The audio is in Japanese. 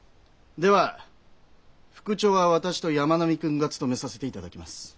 では副長は私と山南君が務めさせて頂きます。